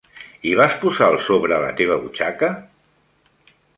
I vas posar el sobre a la teva butxaca?